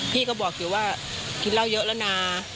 พี่ก็บอกอยู่ว่ากินเหล้าเยอะแล้วนะ